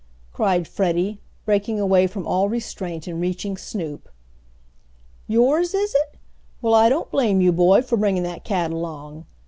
cried Freddie, breaking away from all restraint and reaching Snoop. "Yours, is it? Well, I don't blame you, boy, for bringing dat cat along.